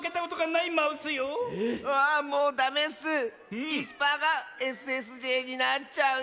いすパーがＳＳＪになっちゃうよ。